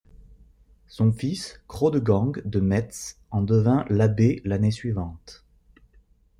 Son fils Chrodegang de Metz en devint l'abbé l'année suivante.